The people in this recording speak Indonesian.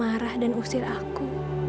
marah dan usir aku